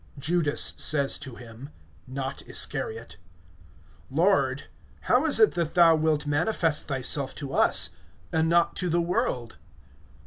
(22)Judas says to him (not Iscariot): Lord, how is it that thou wilt manifest thyself to us, and not to the world?